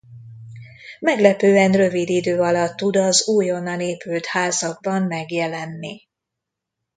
Meglepően rövid idő alatt tud az újonnan épült házakban megjelenni.